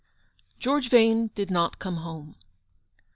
George Vane did not come home.